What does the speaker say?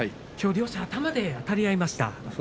きょうは両者頭であたり合いました。